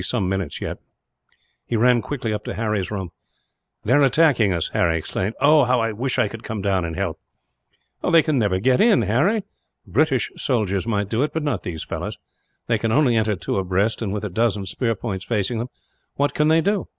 They will be some minutes, yet." He ran quickly up to Harry's room. "They are attacking us," Harry exclaimed; "oh, how I wish I could come down and help!" "They can never get in, Harry. British soldiers might do it, but not these fellows. They can only enter two abreast and, with a dozen spear points facing them, what can they do?